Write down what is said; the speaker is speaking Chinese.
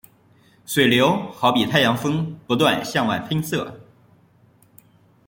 水流好比太阳风不断向外喷射。